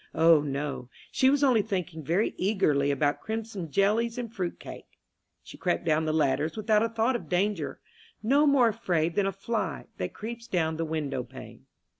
O, no. She was only thinking very eagerly about crimson jellies and fruit cake. She crept down the ladders without a thought of danger no more afraid than a fly that creeps down the window pane.